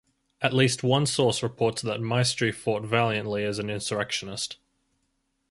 At least one source reports that Maestri fought valiantly as an insurrectionist.